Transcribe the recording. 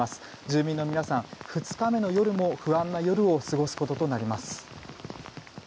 住民の皆さん２日目の夜も不安な夜を過ごすこととなります。